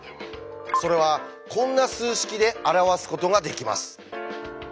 それはこんな数式で表すことができます。